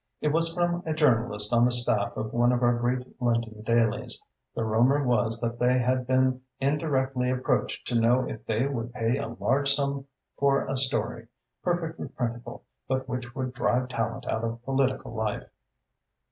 "It was from a journalist on the staff of one of our great London dailies. The rumour was that they had been indirectly approached to know if they would pay a large sum for a story, perfectly printable, but which would drive Tallente out of political life."